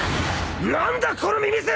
何だこのミミズ！